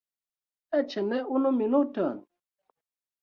Eĉ ne unu minuton!